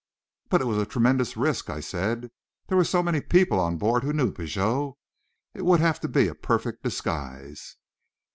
"But it was a tremendous risk," I said. "There were so many people on board who knew Pigot it would have to be a perfect disguise."